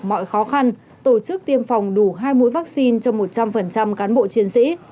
mọi khó khăn tổ chức tiêm phòng đủ hai mũi vaccine cho một trăm linh cán bộ chiến sĩ